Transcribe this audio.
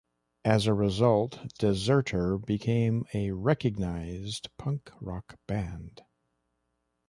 As a result, Dezerter became a recognized punk rock band.